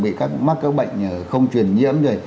bị các mắc các bệnh không truyền nhiễm